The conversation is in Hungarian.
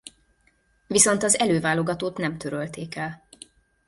Viszont az előválogatót nem törölték el.